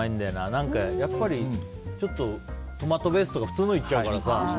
何かやっぱりトマトベースとか普通のいっちゃうからさ。